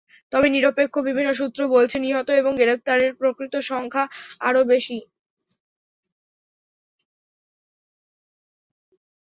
তবে নিরপেক্ষ বিভিন্ন সূত্র বলছে, নিহত এবং গ্রেপ্তারের প্রকৃত সংখ্যা আরও বেশি।